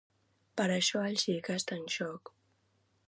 Per això lo xic està en xoc.